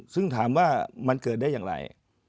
ซึ่งถามว่ามันเกิดได้อย่างไร